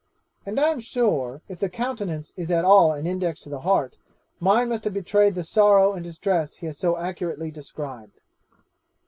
And I am sure, if the countenance is at all an index to the heart, mine must have betrayed the sorrow and distress he has so accurately described.